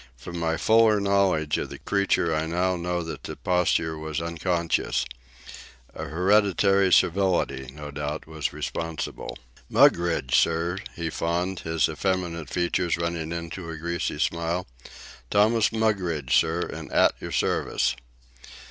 From my fuller knowledge of the creature I now know that the posture was unconscious. An hereditary servility, no doubt, was responsible. "Mugridge, sir," he fawned, his effeminate features running into a greasy smile. "Thomas Mugridge, sir, an' at yer service."